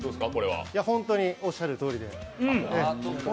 ホントにおっしゃるとおりです。